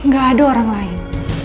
gak ada orang lain